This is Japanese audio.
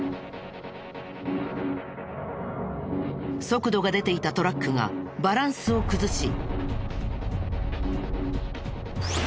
速度が出ていたトラックがバランスを崩し。